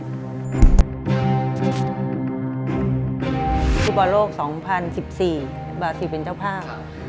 ฤทธิ์ประโลก๒๐๑๔บาศีเป็นเจ้าภาพ